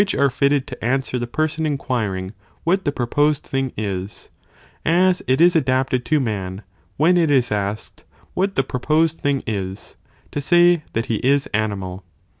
are fitted to answer the person inquiring what the proposed thing is, as it is adapted to man, when it is asked what the proposed thing is, to say that he is animal.